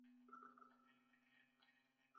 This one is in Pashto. په هفت میوه کې اووه ډوله وچې میوې وي.